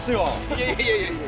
いやいやいやいや。